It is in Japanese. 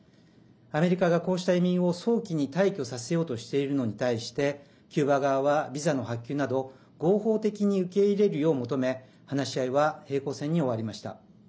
アメリカが、こうした移民を早期に退去させようとしているのに対してキューバ側はビザの発給など合法的に受け入れるよう求め話し合いは平行線に終わりました。